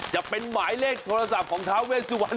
จะเป็นหมายเลขโทรศัพท์ของท้าเวสวรรณ